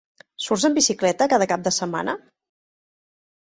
Surts en bicicleta cada cap de setmana?